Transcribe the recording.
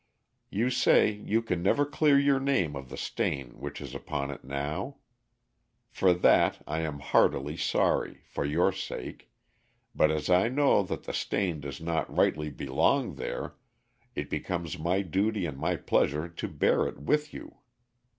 "You say you can never clear your name of the stain which is upon it now. For that I am heartily sorry, for your sake, but as I know that the stain does not rightly belong there it becomes my duty and my pleasure to bear it with you.